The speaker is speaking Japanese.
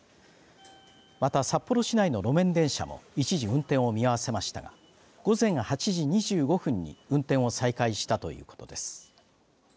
また、札幌市内の路面電車も一時運転を見合わせましたが午前８時２５分に運転を再開したということです。